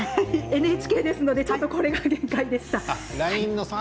ＮＨＫなのでこれが限界でした。